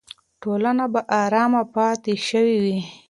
ټولنه به ارامه پاتې شوې وي.